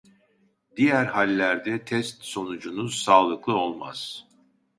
Diğer hallerde test sonucunuz sağlıklı olmaz